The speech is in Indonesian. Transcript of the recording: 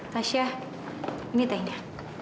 tasya ini tehnya